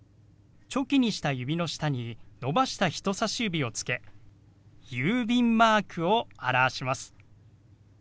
チョキにした指の下に伸ばした人さし指をつけ郵便マークを表します。